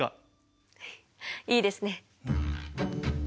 いいですね。